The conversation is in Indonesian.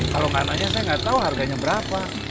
kalau kanannya saya nggak tahu harganya berapa